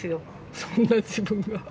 そんな自分が。